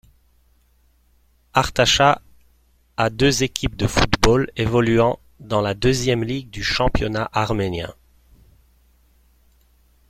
Artachat a deux équipes de football évoluant dans la deuxième ligue du championnat arménien.